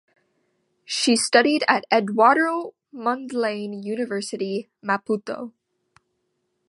She studied at Eduardo Mondlane University, Maputo.